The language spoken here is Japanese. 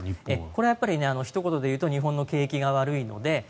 これはひと言で言うと日本の景気が悪いので。